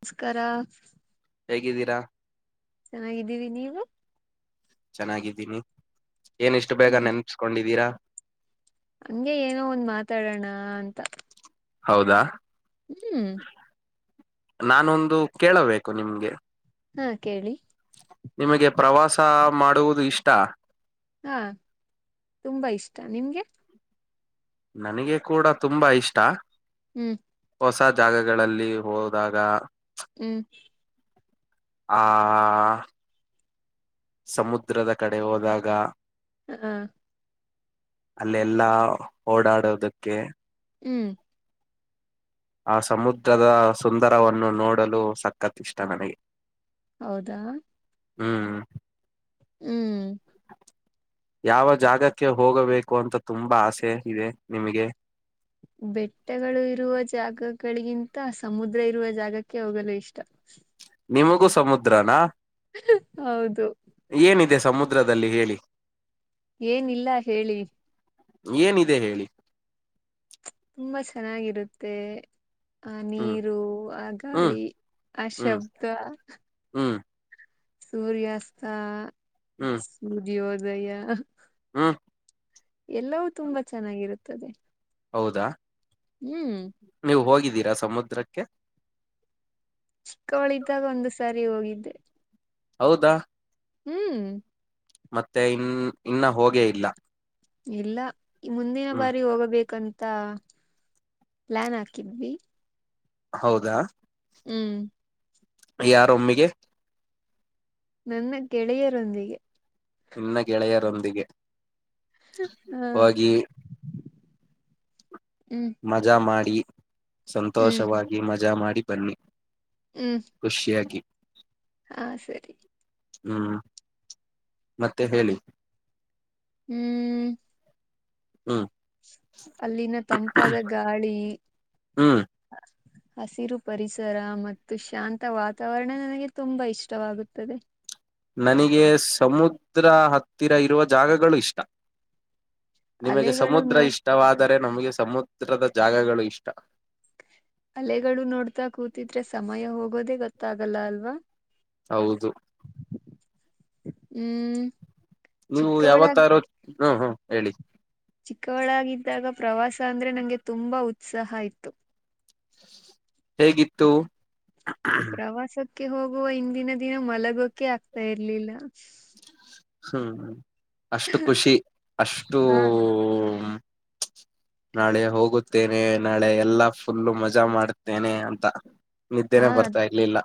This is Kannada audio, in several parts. ನಮಸ್ಕಾರ ಹೇಗಿದ್ದೀರಾ ಚೆನ್ನಾಗಿದ್ದೀವಿ ನೀವು ಚೆನ್ನಾಗಿದ್ದೀನಿ ಏನ ಇಷ್ಟು ಬೇಗ ನೆನ್ಸ್ಕೊಂಡಿದ್ದೀರಾ ಹಂಗೆ ಏನೋ ಒಂದ್ ಮಾತಾಡೋಣ ಅಂತ ಹೌದಾ ಹ್ಮ್ ನಾನೊಂದು ಕೇಳಬೇಕು ನಿಮ್ಗೆ ಹಾ ಕೇಳಿ ನಿಮಗೆ ಪ್ರವಾಸ ಮಾಡುವುದು ಇಷ್ಟ ಹಾ ತುಂಬಾ ಇಷ್ಟ ನಿಮ್ಗೆ ನನಗೆ ಕೂಡ ತುಂಬಾ ಇಷ್ಟ ಹ್ಮ್ ಹೊಸ ಜಾಗಗಳಲ್ಲಿ ಹೋದಾಗ ಹ್ಮ್ ಆ ಸಮುದ್ರದ ಕಡೆ ಹೋದಾಗ ಹಾ ಅಲ್ಲೆಲ್ಲಾ ಓಡಾಡೋದಕ್ಕೆ ಹ್ಮ್ ಆ ಸಮುದ್ರದ ಸುಂದರವನ್ನು ನೋಡಲು ಸಖತ್ ಇಷ್ಟ ನನಗೆ ಹೌದಾ ಹ್ಮ್ ಹ್ಮ್ ಯಾವ ಜಾಗಕ್ಕೆ ಹೋಗಬೇಕು ಅಂತ ತುಂಬಾ ಆಸೆ ಇದೆ ನಿಮಗೆ ಬೆಟ್ಟಗಳು ಇರುವ ಜಾಗಗಳಿಗಿಂತ ಸಮುದ್ರ ಇರುವ ಜಾಗಕ್ಕೆ ಹೋಗಲು ಇಷ್ಟ ನಿಮಗೂ ಸಮುದ್ರನಾ ಹೌದು ಏನಿದೆ ಸಮುದ್ರದಲ್ಲಿ ಹೇಳಿ ಏನಿಲ್ಲ ಹೇಳಿ ಏನಿದೆ ಹೇಳಿ ತುಂಬಾ ಚೆನ್ನಾಗಿರುತ್ತೆ ಆ ಹ್ಮ್ ನೀರು ಆ ಹ್ಮ್ ಗಾಳಿ ಆ ಹ್ಮ್ ಶಬ್ದ ಹ್ಮ್ ಸೂರ್ಯಾಸ್ತ ಹ್ಮ್ ಸೂರ್ಯೋದಯ ಹ್ಮ್ ಎಲ್ಲವೂ ತುಂಬಾ ಚೆನ್ನಾಗಿರುತ್ತದೆ ಹೌದಾ ಹ್ಮ್ ನೀವು ಹೋಗಿದ್ದೀರಾ ಸಮುದ್ರಕ್ಕೆ ಚಿಕ್ಕವಳಿದ್ದಾಗ ಒಂದು್ ಸಾರಿ ಹೋಗಿದ್ದೆ ಹೌದಾ ಹ್ಮ್ ಮತ್ತೆ ಇನ್ ಇನ್ನ ಹೋಗೇ ಇಲ್ಲ ಇಲ್ಲ ಮುಂದಿನ ಹ್ಮ್ ಬಾರಿ ಹೋಗಬೇಕಂತ ಪ್ಲಾನ್ ಹಾಕಿದ್ವಿ ಹೌದಾ ಹ್ಮ್ ಯಾರೊಮ್ಮಿಗೆ ನನ್ನ ಗೆಳೆಯರೊಂದಿಗೆ ಇನ್ನ ಗೆಳೆಯರೊಂದಿಗೆ ಹ್ಮ ಹೋಗಿ ಹ್ಮ್ ಮಜಾ ಮಾಡಿ ಹ್ಮ್ ಸಂತೋಷವಾಗಿ ಮಜಾ ಮಾಡಿ ಬನ್ನಿ ಹ್ಮ್ ಖುಷಿಯಾಗಿ ಹಾ ಸರಿ ಹ್ಮ್ ಮತ್ತೆ ಹೇಳಿ ಹ್ಮ್ ಹ್ಮ್ ಅಲ್ಲಿನ ತಂಪಾದ ಗಾಳಿ ಹ್ಮ್ ಹಸಿರು ಪರಿಸರ ಮತ್ತು ಶಾಂತ ವಾತಾವರಣ ನನಗೆ ತುಂಬಾ ಇಷ್ಟವಾಗುತ್ತದೆ ನನಗೆ ಸಮುದ್ರ ಹತ್ತಿರ ಇರುವ ಜಾಗಗಳು ಇಷ್ಟ ನಿಮಗೆ ಅಲೆಗಳು ಸಮುದ್ರ ನೋ ಇಷ್ಟವಾದರೆ ನಮಗೆ ಸಮುದ್ರದ ಜಾಗಗಳು ಇಷ್ಟ ಅಲೆಗಳು ನೋಡ್ತಾ ಕೂತಿದ್ರೆ ಸಮಯ ಹೋಗೋದೇ ಗೊತ್ತಾಗಲ್ಲ ಅಲ್ವಾ ಹೌದು ಹ್ಮ್ ನೀವು ಚಿಕ್ಕವಳ ಯಾವತ್ತಾರೂ ಹ್ಮ ಹ್ಮ ಹೇಳಿ ಚಿಕ್ಕ ಒಳಗಿದ್ದಾಗ ಪ್ರವಾಸ ಅಂದ್ರೆ ನಂಗೆ ತುಂಬಾ ಉತ್ಸಾಹ ಇತ್ತು ಹೇಗಿತ್ತು ಪ್ರವಾಸಕ್ಕೆ ಹೋಗುವ ಹಂದಿನ ದಿನ ಮಲಗೋಕೆ ಆಗ್ತಾ ಇರ್ಲಿಲ್ಲ ಹ್ಮ್ ಅಷ್ಟು ಖುಷಿ ಅಷ್ಟು ಹಾ [inaudible] ನಾಳೆ ಹೋಗುತ್ತೇನೆ ನಾಳೆ ಎಲ್ಲಾ ಫುಲ್ಲು ಮಜಾ ಮಾಡ್ತೇನೆ ಅಂತ ಹಾ ನಿದ್ದೆನೆೇ ಬರ್ತಾ ಇರ್ಲಿಲ್ಲ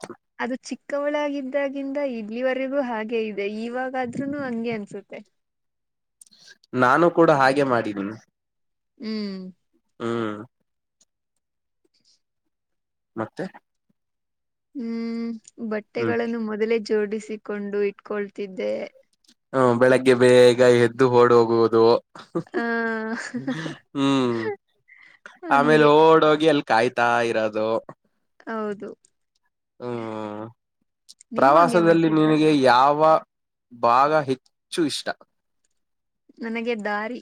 ಅದು ಚಿಕ್ಕವಳಾಗಿದ್ದಾಗಿಂದ ಇಲ್ಲಿವರೆಗೂ ಹಾಗೆ ಇದೆ ಇವಾಗಾದ್ರೂನು ಹಂಗೆ ಅನ್ಸುತ್ತೆ ನಾನು ಕೂಡ ಹಾಗೆ ಮಾಡಿದ್ದನಿ ಹ್ಮ್ ಹ್ಮ್ [inaudible] ಮತ್ತೆ ಹ್ಮ್ ಹ್ಮ್ ಬಟ್ಟೆಗಳನ್ನು ಮೊದಲೇ ಜೋಡಿಸಿಕೊಂಡು ಇಟ್ಕೊಳ್ತಿದ್ದೆ ಹ್ಮ ಬೆಳಗ್ಗೆ ಬೇಗ ಎದ್ದು ಓಡ್ ಹೋಗುವುದು ಆ ಹ್ಮ್ ಆಮೇಲೆ ಹಂಗೆ ಓಡ್ ಹೋಗಿ ಎ ಕಾಯ್ತಾ ಇರೋದು ಹೌದು ಹ್ಮ ನೀವು ಹಂಗೆ ಪ್ರವಾಸದಲ್ಲಿ ಮಾಡ್ತಿದ್ರಾ ನಿನಗೆ ಯಾವ ಬಾಗ ಹೆಚ್ಚು ಇಷ್ಟ ನನಗೆ ದಾರಿ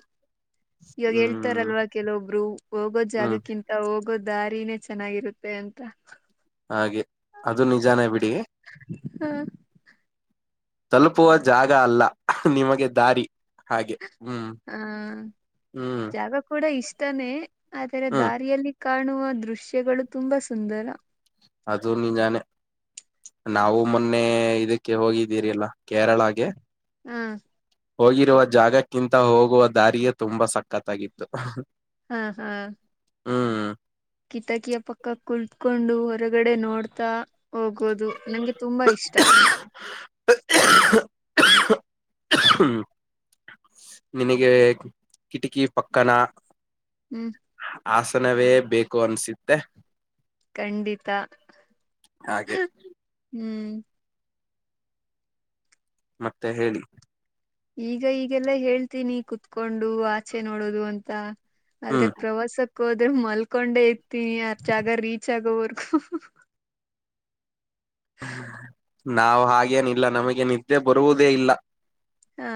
ಇವಾಗ ಹ್ಮ್ ಹೇಳ್ತಾರಲ್ವಾ ಕೆಲವೊಬ್ರು ಹೋಗೋ ಹ್ಮ್ ಜಾಗಕ್ಕಿಂತ ಹೋಗೋ ದಾರಿನೇ ಚೆನ್ನಾಗಿರುತ್ತೆ ಅಂತ ಹಾಗೆ ಅದು ನಿಜಾನೇ ಬಿಡಿ ಹ ತಲುಪುವ ಜಾಗ ಅಲ್ಲ ನಿಮಗೆ ದಾರಿ ಹಾಗೆ ಹ್ಮ್ ಹಾ ಹ್ಮ್ ಜಾಗ ಕೂಡ ಇಷ್ಟಾನೇ ಆದರೆ ಹ್ಮ್ ದಾರಿಯಲ್ಲಿ ಕಾಣುವ ದೃಶ್ಯಗಳು ತುಂಬಾ ಸುಂದರ ಅದು ನಿಜಾನೆ ನಾವು ಮೊನ್ನೆ ಇದಕ್ಕೆ ಹೋಗಿದ್ದೀರಿ ಅಲ್ಲ ಕೇರಳಾಗೆ ಹ ಹೋಗಿರುವ ಜಾಗಕ್ಕಿಂತ ಹೋಗುವ ದಾರಿಯೇ ತುಂಬಾ ಸಖತ್ತಾಗಿತ್ತು ಹಾ ಹಾ ಹ್ಮ್ ಕಿತಾಕಿಯ ಪಕ್ಕ ಕುಳತ್ಕೊಂಡು ಹೊರಗಡೆ ನೋಡ್ತಾ ಹೋಗೋದು ನಂಗೆ ತುಂಬ ಇಷ್ಟ ಹ್ಮ ನಿನಗೆ ಕಿಟಕಿ ಪಕ್ಕನ ಹ್ಮ್ ಆಸನವೇ ಬೇಕು ಅನ್ಸಿದ್ದೆ ಖಂಡಿತ ಹಾಗೆ ಹ್ಮ್ ಮತ್ತೆ ಹೇಳಿ ಈಗ ಈಗೆಲ್ಲ ಹೇಳ್ತೀನಿ ಕುತ್ಕೊಂಡು ಆಚೆ ನೋಡೋದು ಅಂತ ಆದ್ರೆ ಹ್ಮ್ ಪ್ರವಾಸಕ್ ಹೋದ್ರೆ ಮಲ್ಕೊಂಡೆ ಇತೀನಿ ಅರ್ ಜಾಗ ರೀಚ್ ಆಗೋವರ್ಗೂ ನಾವವು ಹಾಗೇನಿಲ್ಲ ನಮಗೆ ನಿದ್ದೆ ಬರುವುದೇ ಇಲ್ಲ ಹಾ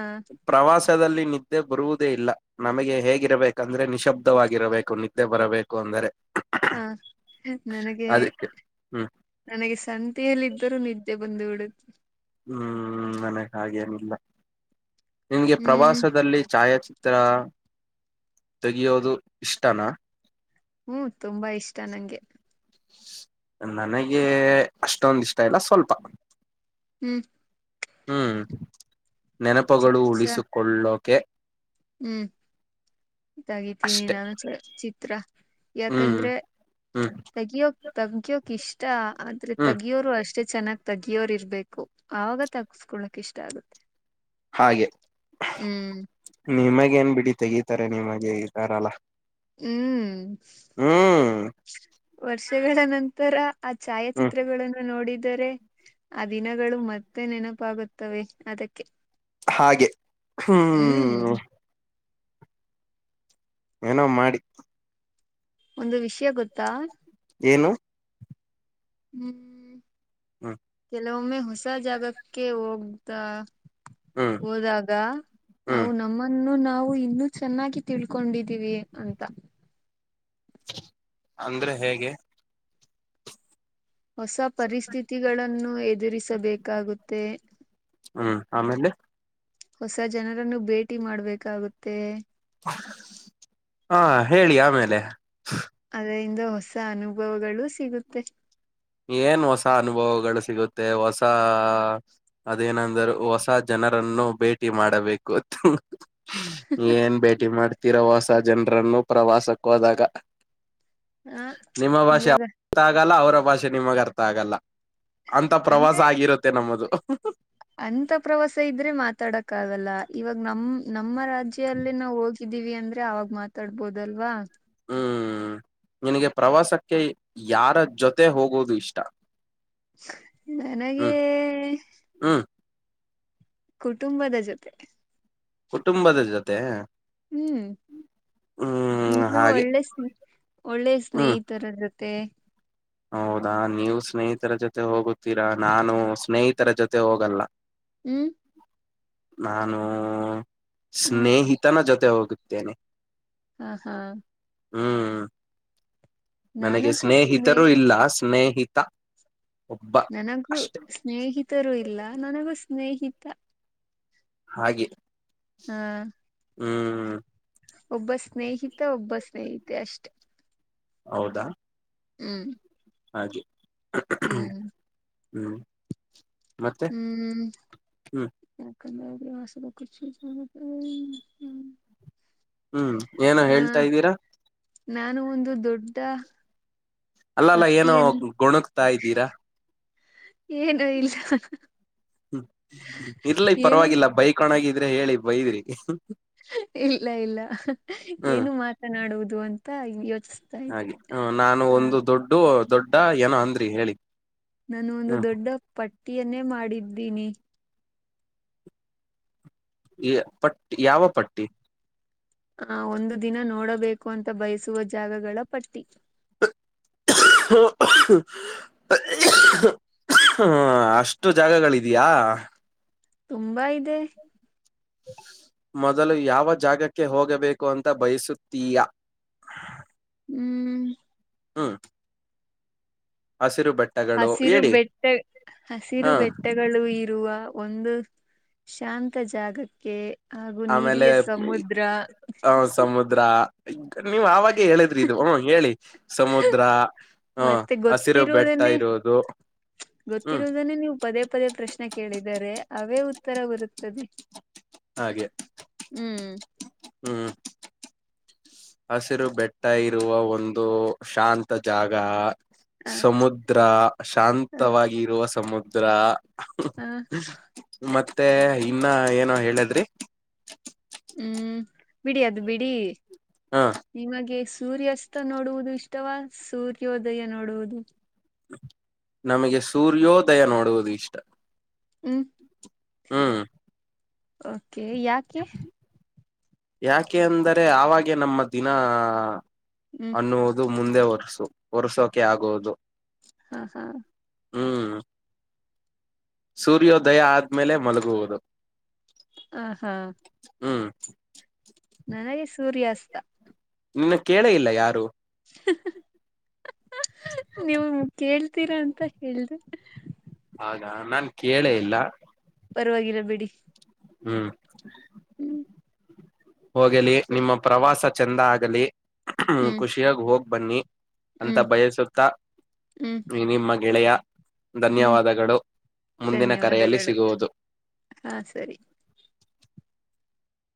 ಪ್ರವಾಸದಲ್ಲಿ ನಿದ್ದೆ ಬರುವುದೇ ಇಲ್ಲ ನಮಗೆ ಹೇಗಿರಬೇಕಂದ್ರೆ ನಿಶಬ್ದವಾಗಿರಬೇಕು ನಿದ್ದೆ ಬರಬೇಕು ಅಂದ್ರರೆ ಹಾ ನನಗೆ ಅದಕ್ಕೆ ಹ್ಮ್ ನನಗೆ ಸಣ್ಣ [inaudible] ಯಲ್ಲಿದ್ದರೂ ನಿದ್ದೆ ಬಂದು ಬಿಡುತ್ತೆ ಹ್ಮ್ ನನಗೆ ಹಾಗೇನಿಲ್ಲ ನಿಮ್ಗೆ ಹ್ಮ್ ಪ್ರವಾಸದಲ್ಲಿ ಛಾಯಾಚಿ ಹತ್ತರ ತೆಗೆಯೋದು ಇಷ್ಟನಾ ಹ್ಮ್ ತುಂಬಾ ಇಷ್ಟ ನಂಗೆ ನನಗೆ ಅಷ್ಟೊಂದ ಇಷ್ಟ ಇಲ್ಲ ಸ್ವಲ್ಪ ಹ್ಮ್ ಹ್ಮ್ ನೆನಪುಗಳು ಚಿಕ್ಸ ಉಳಿಸಿಕೊಳ್ಳೋಕೆ ಹ್ಮ್ ತಗಿತೀನಿ ಅಷ್ಟೆ ನಾನು ಚಿತ್ರ ಹ್ಮ್ ಯಾಕಂದ್ರೆ ಹ್ಮ್ ತಗಿಯೋ ತಗ್ಯೋಕ್ ಇಷ್ಟ ಆದ್ರೆ ಹ್ಮ್ ತೆಗಿಯೋರು ಅಷ್ಟೇ ಚೆನ್ನಾಗಿ ತಗಿಯೋರ್ ಇರ್ಬೇಕು ಆಗ ತಗಸ್ಕೊಳಕ ಇಷ್ಟ ಆಗುತ್ತೆ ಹಾಗೆ ಹ್ಮ್ ನಿಮಗ ಏನ್ ಬಿಡಿ ತೆಗೀತಾರೆ ನಿಮಗೆಗಿತಾರಲ್ಲಾ ಹ್ಮ್ ಹ್ಮ್ ವರ್ಷಗಳ ನಂತರ ಆ ಹ್ಮ್ ಛಾಯಾಚಿತ್ರಗಳನ್ನು ನೋಡಿದರೆ ಆ ದಿನಗಳು ಮತ್ತೆ ನೆನಪಾಗುತ್ತವೆ ಅದಕ್ಕೆ ಹಾಗೆ ಹ್ಮ್ ಏನೋ ಮಾಡಿ ಒಂದು ವಿಷಯ ಗೊತ್ತಾ ಏನು ಹ್ಮ್ ಹ್ಮ್ ಕೆಲವೊಮ್ಮೆ ಹೊಸ ಜಾಗಕ್ಕೆ ಹೋಗ್ದ ಹ್ಮ್ ಹೋದಾಗ ನಾವು ಹ್ಮ್ ನಮ್ಮನ್ನು ನಾವು ಇನ್ನು ಚೆನ್ನಾಗಿ ತಿಳ್ಕೊಂಡಿದೀವಿ ಅಂತ ಅಂದ್ರೆ ಹೇಗೆ ಹೊಸ ಪರಿಸ್ಥಿತಿಗಳನ್ನು ಎದುರಿಸಬೇಕಾಗುತ್ತೆ ಹ್ಮ್ ಆಮೇಲೆ ಹೊಸ ಜನರನ್ನು ಭೇಟಿ ಮಾಡ್ಬೇಕಾಗುತ್ತೆ ಹಾ ಹೇಳಿ ಆಮೇಲೆ ಅದರಿಂದ ಹೊಸ ಅನುಭವಗಳು ಸಿಗುತ್ತೆ ಏನ್ ಹೊಸ ಅನುಭವಗಳು ಸಿಗುತ್ತೆ ಹೊಸ ಅದೇನಂದರು ಹೊಸ ಜನರನ್ನು ಭೇಟಿ ಮಾಡಬೇಕು ಅ ಏನ್ ಭೇಟಿ ಮಾಡ್ತಿೀರ ಹೊಸ ಜನರನ್ನು ಪ್ರವಾಸಕ್ಕೋದಾಗ ಹ ನಿಮ್ಮ ಭಾಷೆ ಇವಾಗ ಅವರ ಅರ್ಥ ಆಗಲ್ಲ ಅವರ ಭಾಷೆ ನಿಮಗರ್ಥ ಆಗಲ್ಲ ಅಂತ ಪ್ರವಾಸ ಅಂತೆ ಆಗಿರುತ್ತೆ ನಮ್ಮದು ಅಂತ ಪ್ರವಾಸ ಇದ್ರೆ ಮಾತಾಡಕ್ ಆಗಲ್ಲ ಇವಾಗ ನಮ ನಮ್ಮ ರಾಜ್ಯಲ್ಲ ನಾವವು ಹೋಗಿ ಹಕ್ಕಿದೀವಿ ಅಂದ್ರೆ ಅವಾಗ ಮಾತಾಡ್ಬೋದಲ್ವಾ ಹ್ಮ್ ನಿನಗೆ ಪ್ರವಾಸಕ್ಕೆ ಯಾರ ಜೊತೆ ಹೋಗೋುದು ಇಷ್ಟ ನನಗೆ ಹಾ ಕುಟುಂಬದ ಜೊತೆ ಕುಟುಂಬದ ಜೊತೆ ಹ್ಮ್ ಹ್ಮ್ ಇನ್ನೂ ಹಾಗೆ ಒಳ್ಳೆ ಸ್ ಒಳ್ಳೆ ಹ್ಮ್ ಸ್ನೇಹಿತರ ಇರುತ್ತೆ ಮತ್ತು ಹೌದಾ ನೀವು ಸ್ನೇಹಿತರ ಜೊತೆ ಹೋಗುತ್ತೀರಾ ನಾನು ಸ್ನೇಹಿತರ ಜೊತೆ ಹೋಗಲ್ಲ ಹ್ಮ್ ನಾನು ಹ ಸ್ನೇಹಿತನ ಜೊತೆ ಹೋಗುತ್ತೇನೆ ಹಾ ಹಾ ಹ್ಮ್ ನನಗೆ ನನಗೂ ಸ್ನೇಹ ಸ್ನೇಹಿತರೂ ಇಲ್ಲ ಸ್ನೇಹಿತ ಒಬ್ಬ ನನಗೂ ಅಷ್ಟೆ ಸ್ನೇಹಿತರು ಇಲ್ಲ ನನಗೂ ಸ್ನೇಹಿತ ಹಾಗೆ ಹಾ ಹ್ಮ್ ಒಬ್ಬ ಸ್ನೇಹಿತ ಒಬ್ಬ ಸ್ನೇಹಿತೆ ಅಷ್ಟೇ ಹೌದಾ ಹ್ಮ್ ಹಾಗೆ ಹ್ಮ್ ಹ್ಮ ಹ್ಮ್ ಯಕೆಂದ ಮಾಸದ ಕು ಚ ಹ್ಮ ಹ್ಮ ಹೂ ಏನ ಹೇಳ್ತಾ ಇದ್ದೀರಾ ನಾನು ಒಂದು ದೊಡ್ಡ ಅಲ್ಲ ಅಲ್ಲ ಏನೋ ಪಟ್ಟಿಯನ್ನು ಗೊಣುಕ್ತಾ ಇದ್ದೀರಾ ಏನು ಇಲ್ಲ ಹೂ ಇರ್ಲ ಈ ಏನು ಪರವಾಗಿಲ್ಲ ಬೈಕ್ಣಗಿದ್ರೆ ಹೇಳಿ ಬೈದ್ರಿ ಇಲ್ಲ ಇಲ್ಲ ಹ್ಮ್ ಏನು ಮಾತ ಮಾತನಾಡುವುದು ಅಂತ ಯೋಚಸ್ ಹಾಗೆ ನಾನು ಒಂದು ದೊಡ್ಡು ದೊಡ್ಡ ಏನೋ ಅಂದ್ರಿ ಹೇಳಿ ನಾನು ಒಂದು ಹ್ಮ್ ದೊಡ್ಡ ಪಟ್ಟಿಯನ್ನೇ ಮಾಡಿದ್ದೀನಿ ಎ ಪಟ್ಟ ಯಾವ ಪಟ್ಟಿ ಆ ಒಂದು ದಿನ ನೋಡಬೇಕು ಅಂತ ಬಯಸುವ ಜಾಗಗಳ ಪಟ್ಟಿ [unintelligible] [unintelligible] ಹ ಅಷ್ಟು ಜಾಗಗಳು ಇದಿಯಾ ತುಂಬಾ ಇದೆ ಮೊದಲು ಯಾವ ಜಾಗಕ್ಕೆ ಹೋಗಬೇಕು ಅಂತ ಬಯಸುತ್ತೀಯಾ ಹ್ಮ್ ಹ್ಮ್ ಹಸಿರು ಬಟ್ಟೆ ಹಸಿರು ಬೆಟ್ಟ ಹ ಹಸಿರು ಬೆಟ್ಟ ತಟ್ಟೆಗಳು ಇರುವ ಒಂದು ಶಾಂತ ಜಾಗಕ್ಕೆ ಹಾಗು ಆಮೇಲೆ ನೀಲಿಯ ಸಮುದ್ರ ಆದ್ರಗ ನೀವ್ ಆಾಗ ಹೇಳಿದ್ರಿ ಇದು ಹ ಹೇಳಿ ಸಮುದ್ರ ಹ ಮತ್ತೆ ಹಸಿರು ಬೆಟ್ಟ ಗೊತ್ತಿರುವುದನ್ನೇ ಇರುೋದು ಗೊತ್ತಿರುವುದನ್ನೇ ನೀವು ಪದೇ ಪದೇ ಪ್ರಶ್ನೆ ಕೇಳಿದರೆ ಅವೇ ಉತ್ತರ ಬರುತ್ತದೆ ಹಾಗೆ ಹ್ಮ್ ಹೂ ಹಸಿರು ಬೆಟ್ಟ ಇರುವ ಒಂದು ಶಾಂತ ಜಾಗ ಹ ಸಮುದ್ರ ಹ ಶಾಂತವಾಗಿ ಇರುವ ಸಮುದ್ರ ಹ ಮತ್ತೆ ಇನ್ನ ಏನ ಹೇಳದ್ರಿ ಹೂ ಬಿಡಿ ಅದು ಬಿಡಿ ಹಾ ನಿಮಗೆ ಸೂರ್ಯಾಸ್ತ ನೋಡುವುದು ಇಷ್ಟವಾ ಸೂರ್ಯೋದಯ ನೋಡುವುದು ನಮಗೆ ಸೂರ್ಯೋದಯ ನೋಡುವುದು ಇಷ್ಟ ಹ್ಮ್ ಹ್ಮ್ ಓಕೆ ಯಾಕೆ ಯಾಕೆ ಅಂದರೆ ಆವಾಗೆ ನಮ್ಮ ದಿನ ಹ್ಮ್ ಅನ್ನುವುದು ಇದು ಮುಂದೆ ಒರ್ಸು ಒರ್ಸೋಕೆ ಆಗುವುದು ಹಾ ಹಾ ಹ್ಮ್ ಸೂರ್ಯೋದಯ ಆದ್ಮೇಲೆ ಮಲಗುವುದು ಹ ಹಾ ಹ್ಮ್ ನನಗೆ ಸೂರ್ಯಾಸ್ತ ನಿನ್ನ ಕೇಳ ಇಲ್ಲ ಯಾರು ಹ ನೀವು ಕೇಳ್ತೀರಾ ಅಂತ ಹೇಳ್ದು ಆಾ ನಾನ್ ಕೇಳೇ ಇಲ್ಲ ಪರವಾಗಿಲ್ಲ ಬಿಡಿ ಹ್ಮ್ ಹ್ಮ್ ಹೋಗಿಲಿ ಸ- ನಿಮ್ಮ ಪ್ರವಾಸ ಚಂದ ಆಗಲಿ ಹ ಹ್ಮ್ ಖುಷಿಯಾಗ ಹೋಗಿ ಬನ್ನಿ ಅಂತ ಹ್ಮ್ ಬಯಸುತ್ತ ಹ್ಮ್ ನಿಮ್ಮ ಗೆಳೆಯ ಹ್ಮ್ ಧನ್ಯವಾದಗಳು ಮುಂದಿನ ಕರೆಯಲ್ಲಿ ಧನ್ಯವಾದಗಳು ಸಿಗುವುದು ಹಾ ಸರಿ